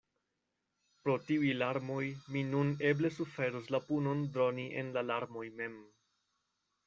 “Pro tiuj larmoj mi nun eble suferos la punon droni en la larmoj mem.